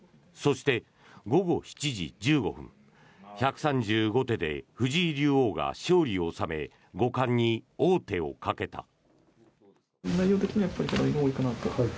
そして、午後７時１５分１３５手で藤井竜王が勝利を収め五冠に王手をかけた。